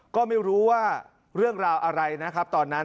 ก็ไม่รู้ว่าเรื่องราวอะไรนะครับตอนนั้น